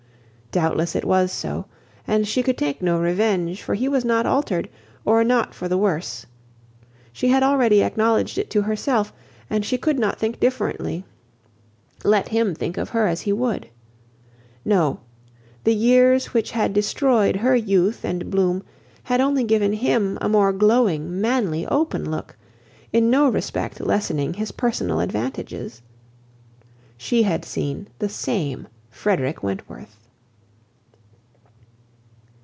Doubtless it was so, and she could take no revenge, for he was not altered, or not for the worse. She had already acknowledged it to herself, and she could not think differently, let him think of her as he would. No: the years which had destroyed her youth and bloom had only given him a more glowing, manly, open look, in no respect lessening his personal advantages. She had seen the same Frederick Wentworth.